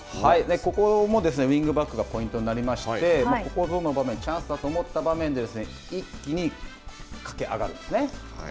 ここもですね、ウイングバックがポイントになりまして、ここぞの場面、チャンスと思った場面で、一気に駆け上がるんですね。